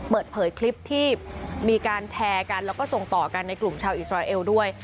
เปิดเผยคลิปที่มีการแชร์กันแล้วก็ส่งต่อกันในกลุ่มชาวอิสราเอลด้วย